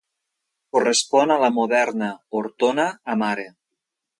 Correspon a la moderna Ortona a Mare.